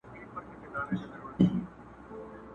ته په زولنو کي د زندان حماسه ولیکه!.